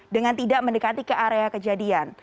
dengan tidak mendekati ke area kejadian